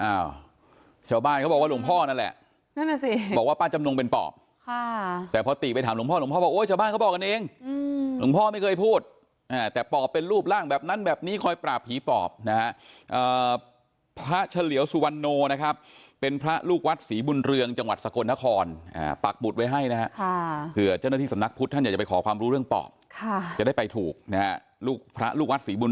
อ้าวชาวบ้านเขาบอกว่าหลวงพ่อนั่นแหละนั่นแหละสิบอกว่าป้าจำนวงเป็นปอบค่ะแต่พอตีไปถามหลวงพ่อหลวงพ่อบอกโอ้ยชาวบ้านเขาบอกกันเองอืมหลวงพ่อไม่เคยพูดอ่าแต่ปอบเป็นรูปร่างแบบนั้นแบบนี้คอยปราบผีปอบนะฮะเอ่อพระเฉลียวสุวรรณโนนะครับเป็นพระลูกวัดศรีบุ